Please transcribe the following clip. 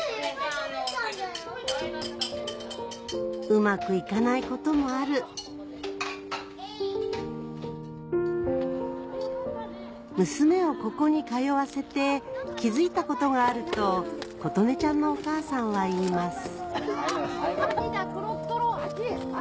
うまく行かないこともある娘をここに通わせて気付いたことがあると琴音ちゃんのお母さんは言います